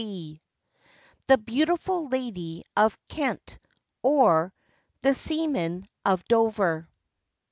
THE BEAUTIFUL LADY OF KENT; OR, THE SEAMAN OF DOVER.